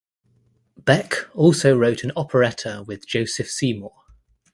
Beck also wrote an operetta with Joseph Seymour.